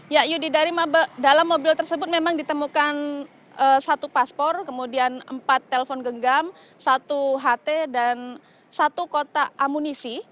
ya yudi dalam mobil tersebut memang ditemukan satu paspor kemudian empat telpon genggam satu ht dan satu kotak amunisi